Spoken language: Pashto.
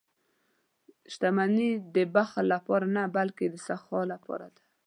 • شتمني د بخل لپاره نه، بلکې د سخا لپاره ده.